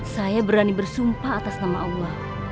saya berani bersumpah atas nama allah